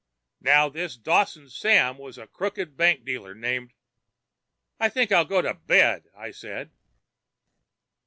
Now, this Dawson Sam has a crooked bank dealer named—" "I think I'll go back to bed," said I.